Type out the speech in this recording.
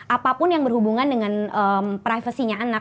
apapun yang berhubungan dengan privasinya anak